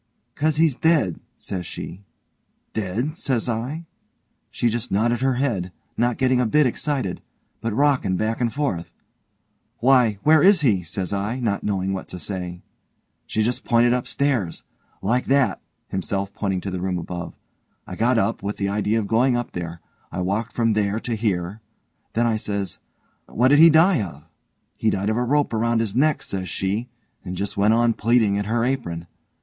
''Cause he's dead', says she. 'Dead?' says I. She just nodded her head, not getting a bit excited, but rockin' back and forth. 'Why where is he?' says I, not knowing what to say. She just pointed upstairs like that (himself pointing to the room above) I got up, with the idea of going up there. I walked from there to here then I says, 'Why, what did he die of?' 'He died of a rope round his neck', says she, and just went on pleatin' at her apron.